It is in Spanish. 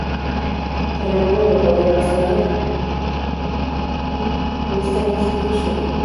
De la mano de Correa Pastrana, Bedoya logró un rápido ascenso en esa institución.